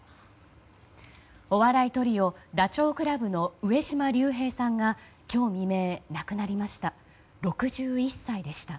お笑いトリオ、ダチョウ倶楽部の上島竜兵さんが今日未明亡くなりました。